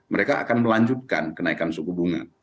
mereka akan melanjutkan kenaikan suku bunga